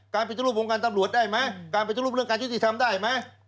การปิดทริปของการตำรวจได้ไหมการปิดทริปเรื่องการยุติธรรมได้ไหม